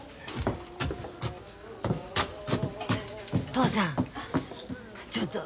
嬢さんちょっと。